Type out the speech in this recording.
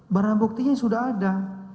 barang buktinya sudah ada